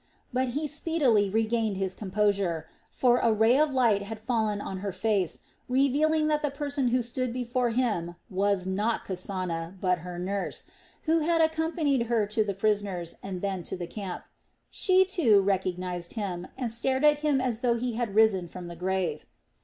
But he speedily regained his composure, for a ray of light had fallen on her face, revealing that the person who stood before him was not Kasana, but her nurse, who had accompanied her to the prisoners and then to the camp. She, too, recognized him and stared at him as though he had risen from the grave.